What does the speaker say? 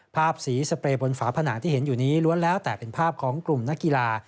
ภาพสีสเปรย์บนฝาผนังที่เห็นอยู่นี้ล้วนแล้วแต่เป็นภาพของกลุ่มนักกีฬา